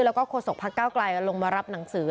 แล้วก็โศกพักเก้าไกลลงมารับหนังสือ